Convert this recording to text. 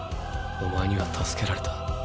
お前には助けられた。